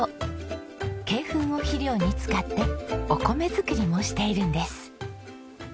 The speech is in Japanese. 鶏ふんを肥料に使ってお米作りもしているんです。